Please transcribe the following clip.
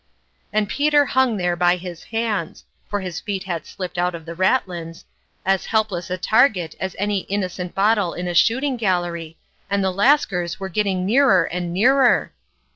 And Peter hung there by his hands for his feet had slipped out of the ratlins as helpless a target as any innocent bottle in a shooting gallery, and the Lascars were getting nearer and nearer